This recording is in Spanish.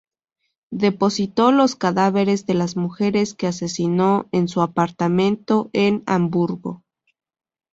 Depositó los cadáveres de las mujeres que asesinó en su apartamento en Hamburgo.